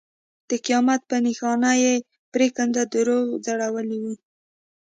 د قیامت په نښانه یې پرېکنده دروغ ځړولي وو.